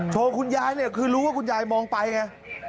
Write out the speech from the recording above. คุณยายเนี่ยคือรู้ว่าคุณยายมองไปไง